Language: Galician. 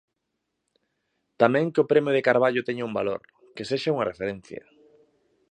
Tamén que o premio de Carballo teña un valor, que sexa unha referencia.